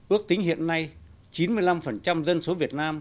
ước tính hiện nay chín mươi năm dân số việt nam